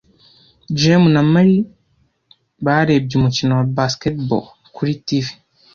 Jame na Mary barebye umukino wa basketball kuri TV.